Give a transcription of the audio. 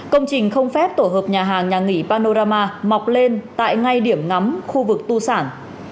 công trình không phép tổ hợp nhà hàng nhà nghỉ panorama mọc lên tại ngay điểm ngắm khu vực tu sản